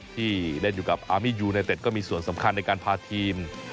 ที่เล่นอยู่กับอามียูไนเต็ดก็มีส่วนสำคัญในการพาทีม